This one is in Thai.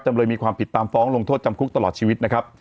เลยมีความผิดตามฟ้องลงโทษจำคุกตลอดชีวิตนะครับ